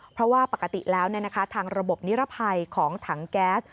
เพราะว่าปกติแล้วทางระบบนิรภัยของถังแก๊ส